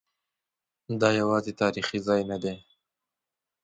دا یوازې تاریخي ځای نه دی.